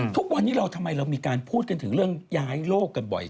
ทุกวันนี้เราทำไมเรามีการพูดกันถึงเรื่องย้ายโลกกันบ่อย